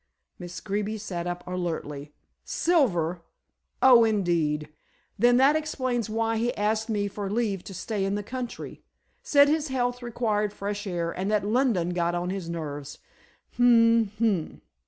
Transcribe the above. Miss Greeby sat up alertly. "Silver. Oh, indeed. Then that explains why he asked me for leave to stay in the country. Said his health required fresh air, and that London got on his nerves. Hum! hum!"